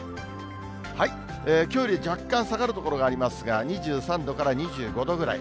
きょうより若干下がる所がありますが、２３度から２５度ぐらい。